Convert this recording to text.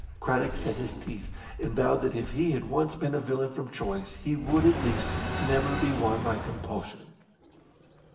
Craddock set his teeth, and vowed that if he had once been a villain from choice he would, at least, never be one by compulsion.